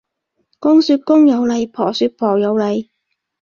公說公有理，婆說婆有理